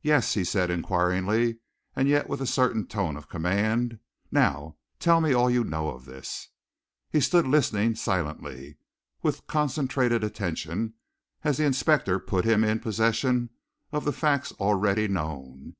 "Yes?" he said inquiringly and yet with a certain tone of command. "Now tell me all you know of this." He stood listening silently, with concentrated attention, as the inspector put him in possession of the facts already known.